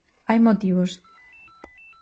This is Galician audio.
Hai motivos.